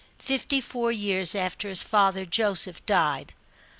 Fifty four years after his father, Joseph died.